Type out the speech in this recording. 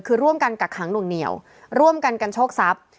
คือร่วมกันกักขังหน่วงเหนียวร่วมกันกันโชคทรัพย์